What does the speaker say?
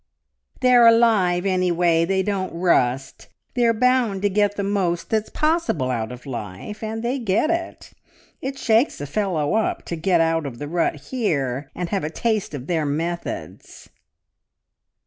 "They're alive, anyway; they don't rust! They're bound to get the most that's possible out of life, and they get it! It shakes a fellow up to get out of the rut here and have a taste of their methods."